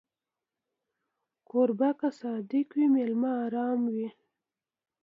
کوربه که صادق وي، مېلمه ارام وي.